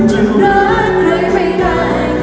จะรักเลยไม่ได้